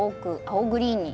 青グリーンに。